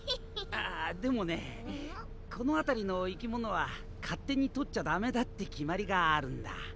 あでもねこの辺りの生き物は勝手に取っちゃ駄目だって決まりがあるんだ。